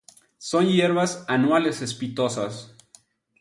Son hierbas, anuales, cespitosas.